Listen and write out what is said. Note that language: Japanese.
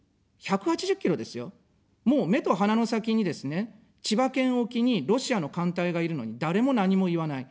１８０ｋｍですよ、もう目と鼻の先にですね、千葉県沖にロシアの艦隊がいるのに誰も何も言わない。